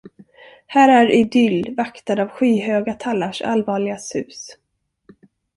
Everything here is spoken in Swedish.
Här är idyll, vaktad av skyhöga tallars allvarliga sus.